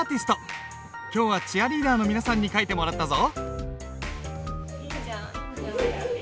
今日はチアリーダーの皆さんに書いてもらったぞ。